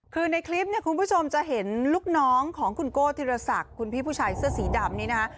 คือในคลิปเนี่ยคุณผู้ชมจะเห็นลูกน้องของคุณโก้ธิรศักดิ์คุณพี่ผู้ชายเสื้อสีดำนี้นะคะ